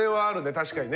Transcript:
確かにね。